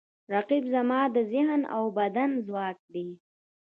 رقیب زما د ذهن او بدن ځواک دی